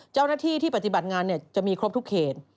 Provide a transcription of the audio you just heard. เจ้าหน้าที่ที่ปฏิบัติงานจะมีครบทุกเขต